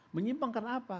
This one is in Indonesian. menyimpang karena apa